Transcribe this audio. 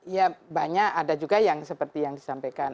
ya banyak ada juga yang seperti yang disampaikan